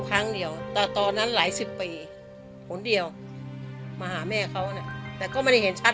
ครั้งเดียวแต่ตอนนั้นหลายสิบปีผลเดียวมาหาแม่เขาเนี่ยแต่ก็ไม่ได้เห็นชัด